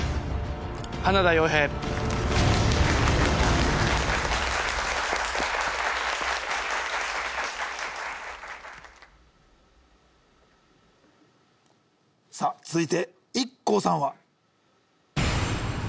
花田洋平さあ続いてＩＫＫＯさんは？